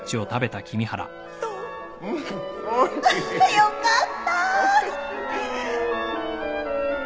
よかった！